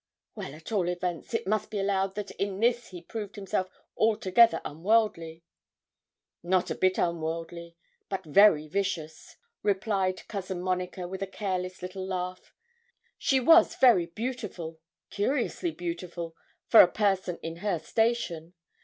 'Well, at all events, it must be allowed that in this he proved himself altogether unworldly.' 'Not a bit unworldly, but very vicious,' replied Cousin Monica, with a careless little laugh. 'She was very beautiful, curiously beautiful, for a person in her station.